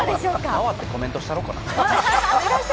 回ってコメントしたろうかな。